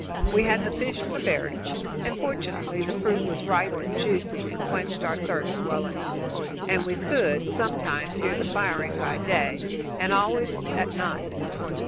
We had the fish and the berries, and, fortunately, the fruit was ripe and juicy and quenched our thirst well enough, and we could, sometimes, hear the firing by day, and always at night.